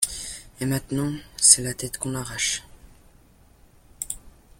Et, maintenant, c’est la tête qu’on arrache...